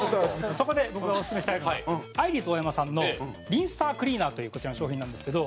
そこで僕がオススメしたいのはアイリスオーヤマさんのリンサークリーナーというこちらの商品なんですけど。